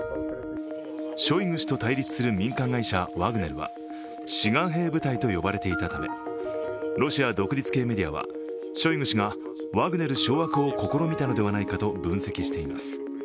ショイグ氏と対立する民間会社ワグネルは志願兵部隊と呼ばれていたためロシア独立系メディアはショイグ氏がワグネル掌握を試みたのではないかと分析しています。